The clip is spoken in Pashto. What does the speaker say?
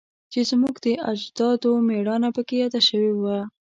چې زموږ د اجدادو میړانه پکې یاده شوی وه